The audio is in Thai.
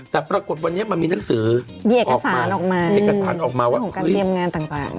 แล้วปรากฏวันนี้มันมีหนังสือออกมาเอกสารออกมาของการเตรียมงานต่าง